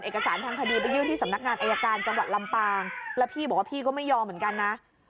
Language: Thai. เอกสารทางคดีไปยื่นที่สำนักงานอายการจังหวัดลำปางแล้วพี่บอกว่าพี่ก็ไม่ยอมเหมือนกันนะ